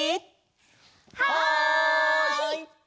はい！